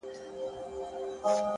هیله د ستونزو په منځ کې رڼا ده!